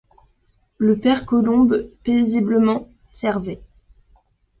Le père Colombe, paisiblement, servait.